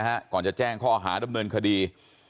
ก่อนจะแจ้งข้อหาดำเนินคดี